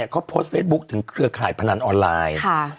เขาโพสต์เฟซบุ๊คถึงเครือข่ายพนันออนไลน์